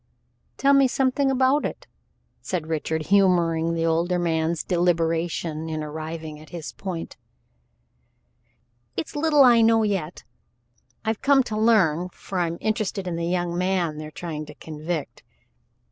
"Tell me something about it," said Richard, humoring the older man's deliberation in arriving at his point. "It's little I know yet. I've come to learn, for I'm interested in the young man they're trying to convict.